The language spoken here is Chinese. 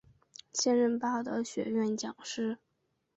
现任巴德学院讲师。